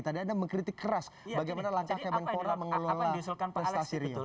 tadi anda mengkritik keras bagaimana langkah kemenpora mengelola prestasi rio